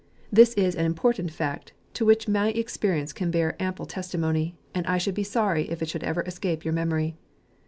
This is an important fact, to which my experience can bear am ple testimony, and I should be sorry if it should ever escape your memory.